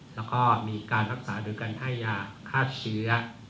แล้วก็มีการรักษาโดยการให้ยาฆ่าเชื้อ